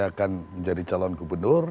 akan menjadi calon gubernur